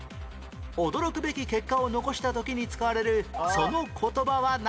驚くべき結果を残した時に使われるその言葉は何？